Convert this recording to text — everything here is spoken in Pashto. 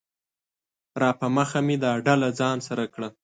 راپه مخه مې دا ډله ځان سره کړه